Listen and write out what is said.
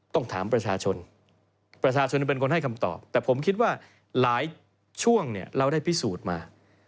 ต้องถามประชาชนประชาชนประชาชนเป็นคนให้คำตอบแต่ผมคิดว่าหลายช่วงเราได้พิสูจน์มา